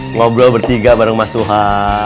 ngobrol bertiga bareng mas tuhan